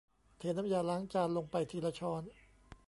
เทน้ำยาล้างจานลงไปทีละช้อน